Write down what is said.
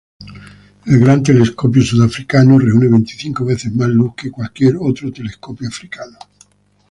El Gran Telescopio Sudafricano reúne veinticinco veces más luz que cualquier otro telescopio africano.